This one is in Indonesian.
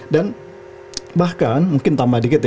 dan bahkan mungkin tambah dikit ya